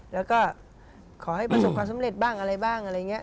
แล้วก็ขอให้ประสบความสำเร็จบ้างอะไร